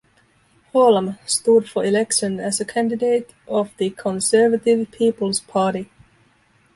Holm stood for election as a candidate of the Conservative People's Party.